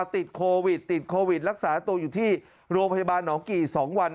ติดโควิดติดโควิดรักษาตัวอยู่ที่โรงพยาบาลหนองกี่๒วัน